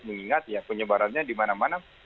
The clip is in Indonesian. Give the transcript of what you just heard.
mengingat penyebarannya dimana mana